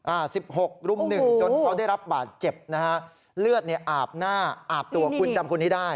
อ่าสิบหกรุ่มหนึ่งจนเขาได้รับบาดเจ็บนะฮะเลือดเนี่ยอาบหน้าอาบตัวคุณจำคนนี้ได้